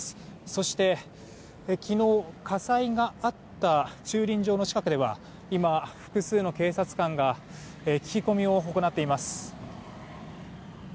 そして、昨日、火災があった駐輪場の近くでは今、複数の警察官が聞き込みを行っています。